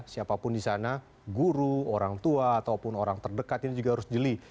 siapapun di sana guru orang tua ataupun orang terdekat ini juga harus jeli